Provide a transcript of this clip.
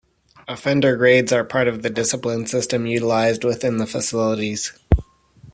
Offender grades are part of the discipline system utilized within the facilities.